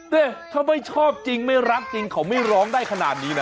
ถ้าไม่ชอบจริงไม่รักจริงเขาไม่ร้องได้ขนาดนี้นะ